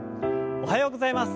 おはようございます。